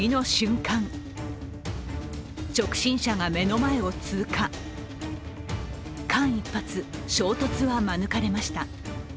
間一髪、衝突は免れました。